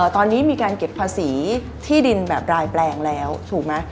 ตอนนี้มีการเก็บภาษีที่ดินแบบรายแปลงแล้วถูกไหม